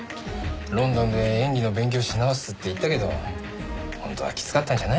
ロンドンで演技の勉強し直すって行ったけど本当はきつかったんじゃないの？